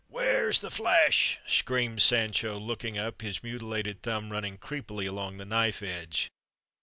"Where's th' flesh?" screamed Sancho, looking up, his mutilated thumb running creepily along the knife edge.